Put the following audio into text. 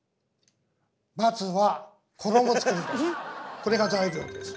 これが材料です。